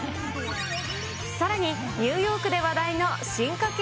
さらに、ニューヨークで話題の進化系